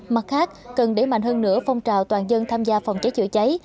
mặt khác cần đẩy mạnh hơn nữa phong trào toàn dân tham gia phòng cháy chữa cháy